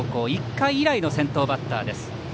１回以来の先頭バッターです。